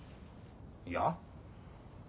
いや。